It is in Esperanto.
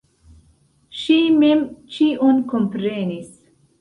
Ŝi mem ĉion komprenis.